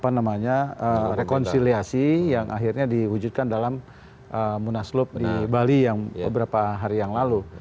apa namanya rekonsiliasi yang akhirnya diwujudkan dalam munaslup di bali yang beberapa hari yang lalu